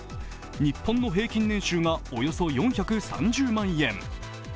日本の平均年収がおよそ４３０万円。